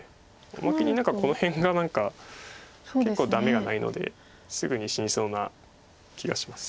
おまけに何かこの辺が結構ダメがないのですぐに死にそうな気がします。